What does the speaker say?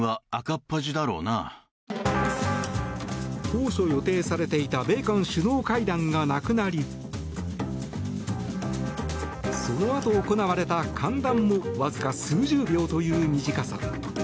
当初予定されていた米韓首脳会談がなくなりそのあと、行われた歓談もわずか数十秒という短さ。